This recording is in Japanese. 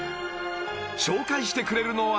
［紹介してくれるのは？］